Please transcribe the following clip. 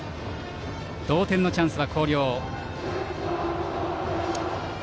同点のチャンスは広陵。